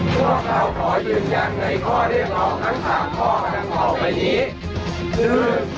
พวกเราขอยืนยังในข้อเรียกของทั้ง๓ข้อทั้งข้อไปนี้